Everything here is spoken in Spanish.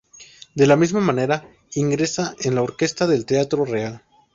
De la misma manera ingresa en la orquesta del Teatro Real.